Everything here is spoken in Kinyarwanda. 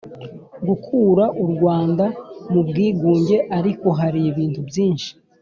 gukura u Rwanda mu bwigunge Ariko hari ibintu byinshi